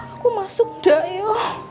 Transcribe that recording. aku masuk dah ya